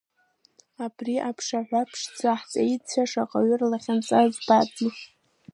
Абри аԥшаҳәа ԥшӡаҿы ҳҵеицәа шаҟаҩ рлахьынҵа ӡбази!